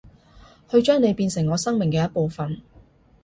去將你變成我生命嘅一部份